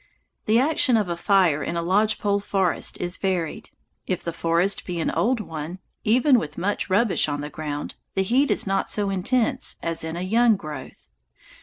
The action of a fire in a lodge pole forest is varied. If the forest be an old one, even with much rubbish on the ground the heat is not so intense as in a young growth.